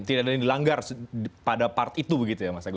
tidak ada yang dilanggar pada part itu begitu ya mas agus